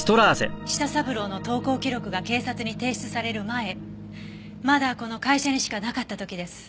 舌三郎の投稿記録が警察に提出される前まだこの会社にしかなかった時です。